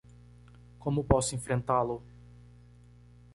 Como posso enfrentá-lo?